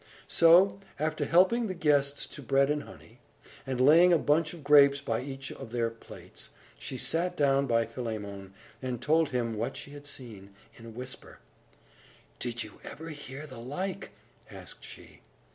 So, after helping the guests to bread and honey, and laying a bunch of grapes by each of their plates, she sat down by Philemon, and told him what she had seen, in a whisper. "Did you ever hear the like?" asked she.